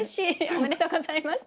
おめでとうございます。